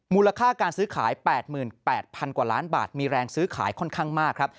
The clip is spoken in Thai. มูลค่าการซื้อขาย๘๘๐๐๐กว่าล้านบาทมีแรงซื้อขายค่อนข้างมากครับ